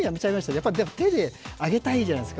やっぱり手であげたいじゃないですか。